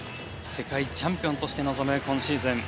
世界チャンピオンとして臨む今シーズン。